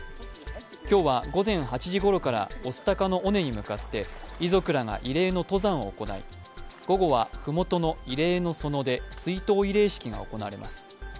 今日は午前８時ごろから御巣鷹の尾根に向かって遺族らが慰霊の登山を行い、午後は麓の慰霊の園で追悼慰霊式が行われます。